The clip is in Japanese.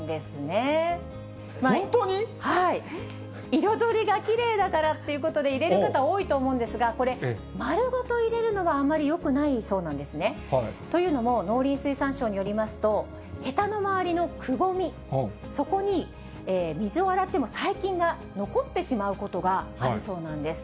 彩りがきれいだからっていうことで、入れる方、多いと思うんですが、これ、丸ごと入れるのがあまりよくないそうなんですね。というのも、農林水産省によりますと、へたの周りのくぼみ、そこに水で洗っても細菌が残ってしまうことがあるそうなんです。